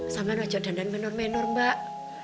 sama aja dan dan menor menor mbak